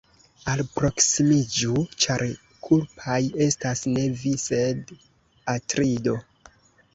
Alproksimiĝu, ĉar kulpaj estas ne vi, sed Atrido.